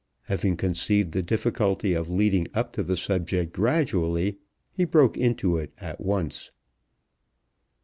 Having conceived the difficulty of leading up to the subject gradually, he broke into it at once.